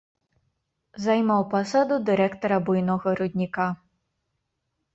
Займаў пасаду дырэктара буйнога рудніка.